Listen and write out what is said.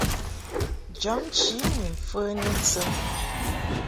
Jɔbnchi ni mfəni ntɨm.